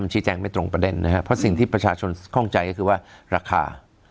ชี้แจงไม่ตรงประเด็นนะครับเพราะสิ่งที่ประชาชนคล่องใจก็คือว่าราคา